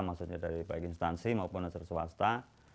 maksudnya dari baik instansi maupun unsur swasta